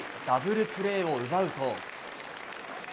ダブルプレーを奪うと。